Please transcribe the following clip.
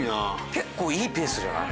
結構いいペースじゃない？